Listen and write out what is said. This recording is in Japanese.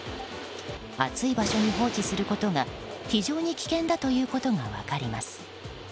暑い場所に放置することが非常に危険だということが分かります。